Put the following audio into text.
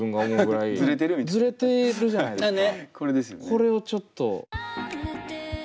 これをちょっと。